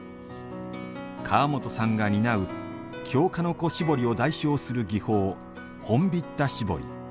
川本さんが担う京鹿の子絞りを代表する技法「本疋田絞り」。